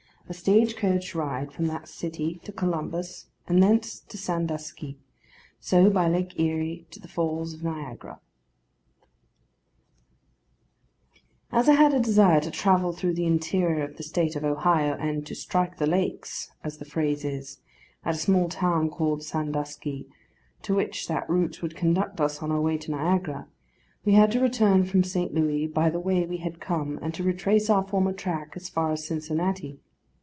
A STAGE COACH RIDE FROM THAT CITY TO COLUMBUS, AND THENCE TO SANDUSKY. SO, BY LAKE ERIE, TO THE FALLS OF NIAGARA AS I had a desire to travel through the interior of the state of Ohio, and to 'strike the lakes,' as the phrase is, at a small town called Sandusky, to which that route would conduct us on our way to Niagara, we had to return from St. Louis by the way we had come, and to retrace our former track as far as Cincinnati.